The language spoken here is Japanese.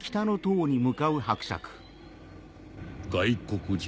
外国人？